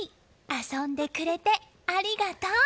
遊んでくれてありがとう！